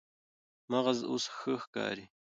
مغز اوس ښه ښکاري.